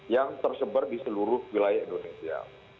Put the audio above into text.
yang tersebar di seluruh wilayah indonesia